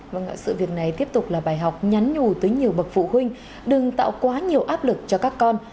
vâng sự việc này tiếp tục là bài học nhắn nhủ tới nhiều bậc phụ huynh đừng tạo quá nhiều áp lực cho các con